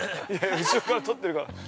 ◆後ろから撮ってるから。